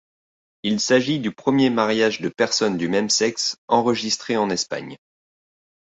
Il s'agit du premier mariage de personnes du même sexe enregistré en Espagne.